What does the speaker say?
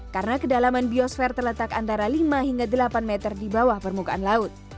karena kedalaman biosfer terletak antara lima hingga delapan meter di bawah permukaan laut